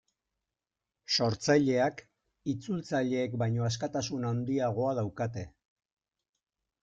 Sortzaileak itzultzaileek baino askatasun handiagoa daukate.